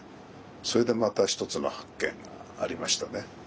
それでまた一つの発見がありましたね。